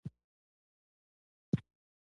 خو چي لوی سي تل د ده په ځان بلاوي